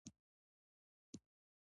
کله نا کله به د وريځو ډولۍ هم راوتله